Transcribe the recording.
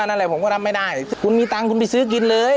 อะไรผมก็รับไม่ได้คุณมีตังค์คุณไปซื้อกินเลย